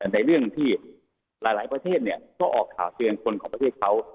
ในเรื่องที่หลายหลายประเทศเนี่ยก็ออกข่าวเซียงคนของประเทศเขา